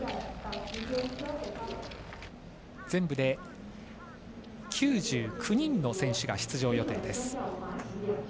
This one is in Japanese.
全部で９９人の選手が出場予定です。